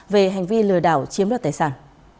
về hành vi lừa đảo chiếm đoạt tài sản